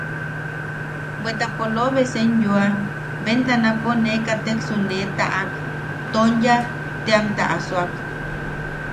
Bweta polobe senyoa, bentanapo ne kateksu nee tataʼak, Tonya teamta asoa.